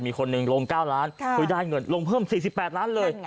มีคนหนึ่งลง๙ล้านได้เงินลงเพิ่ม๔๘ล้านเลย